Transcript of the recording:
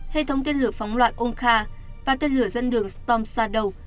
hệ thống tên lửa phóng loạt onkar và tên lửa dẫn đường storm stardust